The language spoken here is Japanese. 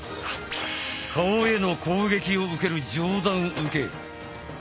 顔への攻撃を受ける上段受け。